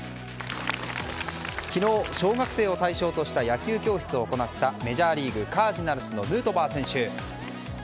昨日、小学生を対象とした野球教室を行ったメジャーリーグカージナルスのヌートバー選手。